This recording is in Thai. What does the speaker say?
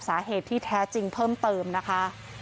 สาเหตุที่แท้จริงเพิ่มเติมนะคะ